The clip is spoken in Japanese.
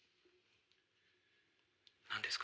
何ですか？